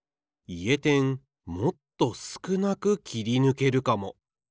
いえてんもっとすくなく切りぬけるかも。